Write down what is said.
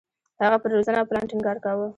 هغه پر روزنه او پلان ټینګار کاوه.